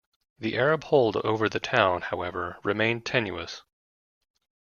The Arab hold over the town, however, remained tenuous.